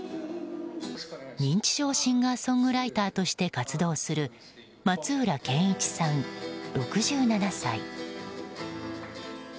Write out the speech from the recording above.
認知症シンガーソングライターとして活動する松浦謙一さん、６７歳。